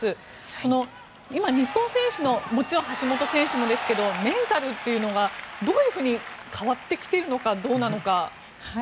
その今、日本選手のもちろん橋本選手もですがメンタルというのはどういうふうに変わってきているのかどうなのか。